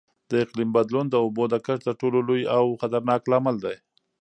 د اقلیم بدلون د اوبو د کمښت تر ټولو لوی او خطرناک لامل دی.